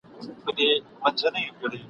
یو ښکاري وو چي په ښکار کي د مرغانو !.